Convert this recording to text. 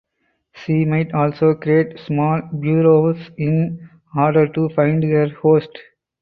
She might also create small burrows in order to find her host.